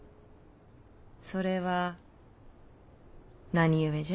それは何故じゃ。